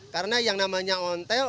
karena yang namanya ontel